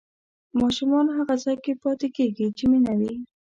ماشومان هغه ځای کې پاتې کېږي چې مینه وي.